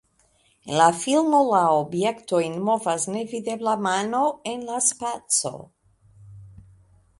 En la filmo, la objektojn movas nevidebla mano en la spaco.